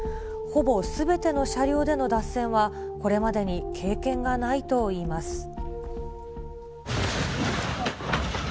ほぼすべての車両での脱線は、これまでに経験がないといいます。